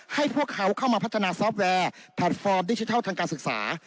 ให้พวกเขาเข้ามาพัฒนาซอฟต์แวร์แพลตฟอร์มดิจิทัลทางการศึกษา